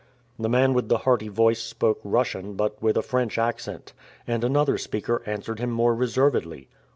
The man with the hearty voice spoke Russian, but with a French accent; and another speaker answered him more reservedly.